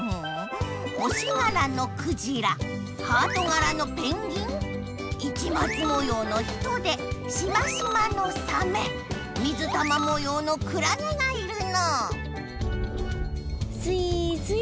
星がらのクジラハートがらのペンギン市まつもようのヒトデシマシマのサメ水玉もようのクラゲがいるのうすいすい。